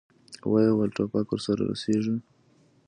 ويې ويل: ټوپک ور رسېږي!